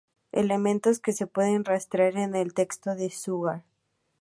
Elementos que se pueden rastrear en el texto de Zújar.